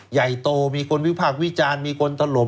ใหญ่โตมีคนวิพากษ์วิจารณ์มีคนถล่ม